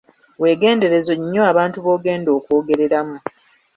Weegendereze nnyo abantu b'ogenda okwogereramu.